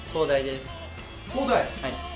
はい。